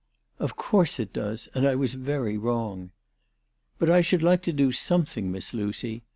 " Of course it does, and I was very wrong." "But I should like to do something, Miss Lucy.""